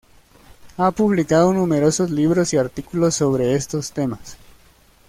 Ha publicado numerosos libros y artículos sobre estos temas.